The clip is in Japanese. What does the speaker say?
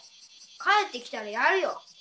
帰ってきたらやるよ。